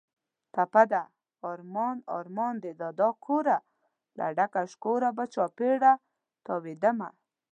ټپه ده: ارمان ارمان دې دادا کوره، له ډکه شکوره به چاپېره تاوېدمه